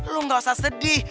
lu gak usah sedih